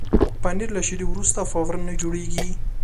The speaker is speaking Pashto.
پنېر له شیدو وروسته فوراً نه جوړېږي.